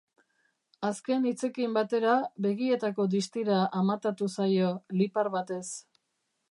Azken hitzekin batera, begietako distira amatatu zaio, lipar batez.